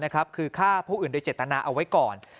คือฆ่าผู้อื่นโดยเจตนาเอาไว้ก่อน